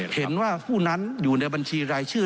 เห็นว่าผู้นั้นอยู่ในบัญชีรายชื่อ